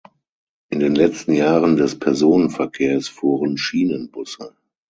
In den letzten Jahren des Personenverkehrs fuhren Schienenbusse.